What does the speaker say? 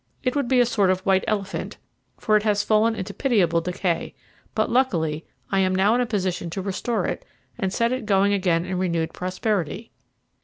It would be a sort of white elephant, for it has fallen into pitiable decay; but, luckily, I am now in a position to restore it and set it going again in renewed prosperity."